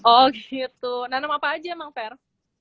oh gitu nanem apa aja emang fer